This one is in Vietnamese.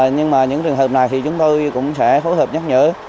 nhưng mà những trường hợp này thì chúng tôi cũng sẽ phối hợp nhắc nhở